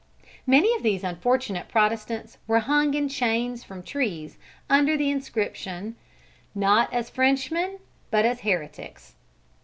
Many of these unfortunate Protestants were hung in chains from trees under the inscription, "_Not as Frenchmen but as Heretics.